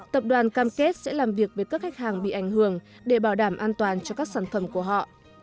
tập đoàn cam kết sẽ làm việc với các khách hàng bị ảnh hưởng để bảo đảm an toàn cho các sản phẩm của họ